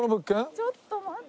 ちょっと待って。